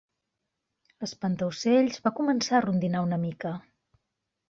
L'Espantaocells va començar a rondinar una mica.